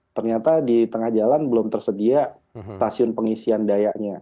ternyata di tengah jalan belum tersedia stasiun pengisian dayanya